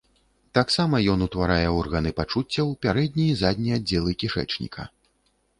Таксама ён утварае органы пачуццяў, пярэдні і задні аддзелы кішэчніка.